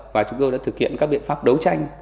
và chúng tôi đã thực hiện các biện pháp đấu tranh